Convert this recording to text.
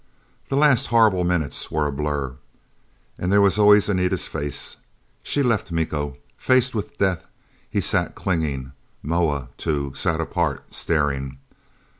Those last horrible minutes were a blur. And there was always Anita's face. She left Miko. Faced with death, he sat clinging. Moa too, sat apart staring.